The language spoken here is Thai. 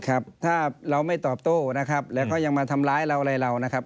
ครับถ้าเราไม่ตอบโต้นะครับแล้วก็ยังมาทำร้ายเราอะไรเรานะครับ